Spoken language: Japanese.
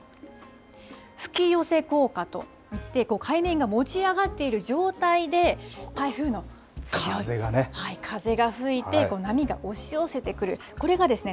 吹き寄せ効果といって海面が持ち上がっている状態で台風の風が吹いて波が押し寄せてくるこれがですね